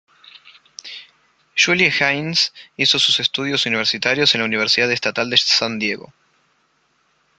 Julie Haynes hizo sus estudios universitarios en la Universidad Estatal de San Diego.